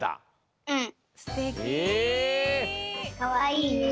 かわいいね。